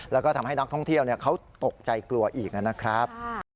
แล้วก็ทำให้นักท่องเที่ยวเขาตกใจกลัวอีกนะครับ